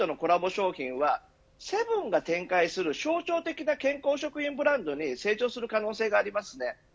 商品はセブンが展開する象徴的な健康食品ブランドに成長する可能性があります。